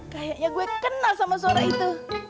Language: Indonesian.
kayaknya gue kena sama suara itu